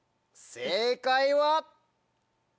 正解は？